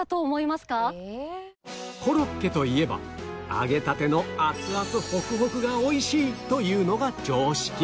コロッケといえば揚げたての熱々ほくほくが美味しいというのが常識